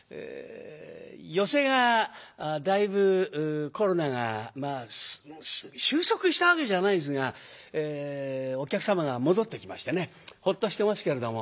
寄席がだいぶコロナがまあ終息したわけじゃないですがお客様が戻ってきましてねホッとしてますけれども。